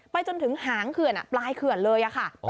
จนถึงหางเขื่อนปลายเขื่อนเลยค่ะ